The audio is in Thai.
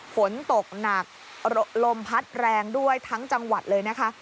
ฝนตกหนักลมพัดแรงด้วยทั้งจังหวัดเลยนะคะ